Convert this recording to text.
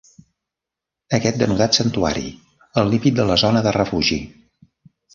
Aquest denotat santuari, el límit de la zona de refugi.